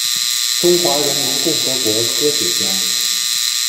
中华人民共和国科学家。